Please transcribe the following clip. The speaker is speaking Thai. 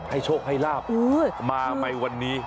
โชคให้ลาบมาไปวันนี้